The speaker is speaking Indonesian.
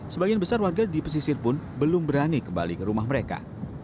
sebagian besar warga di pesisir pun belum berani kembali ke rumah mereka